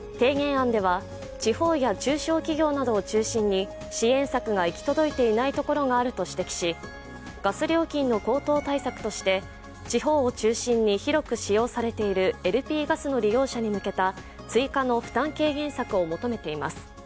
提言案では地方や中小企業などを中心に支援策が行き届いていないところがあると指摘し、ガス料金の高騰対策として地方を中心に広く使用されているＬＰガスの利用者に向けた追加の負担軽減策を求めています。